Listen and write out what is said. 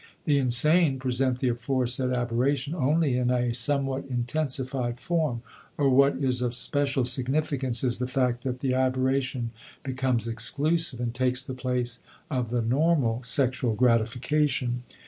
The insane present the aforesaid aberration only in a somewhat intensified form; or what is of special significance is the fact that the aberration becomes exclusive and takes the place of the normal sexual gratification.